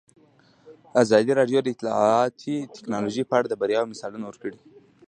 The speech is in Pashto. ازادي راډیو د اطلاعاتی تکنالوژي په اړه د بریاوو مثالونه ورکړي.